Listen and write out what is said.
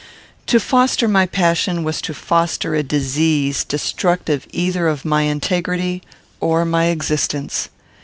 To foster my passion was to foster a disease destructive either of my integrity or my existence.